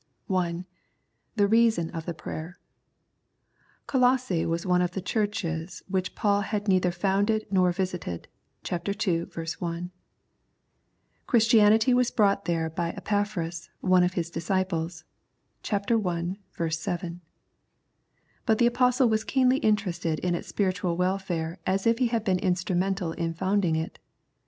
I. The Reason of the Prayer. Colosse was one of the Churches which Paul had neither founded nor visited (ch. ii. i). Christianity was brought there by Epaphras, one of his disciples (ch. i. 7). But the Apostle was as keenly interested in its spiritual welfare as if he had been instrumental in founding it.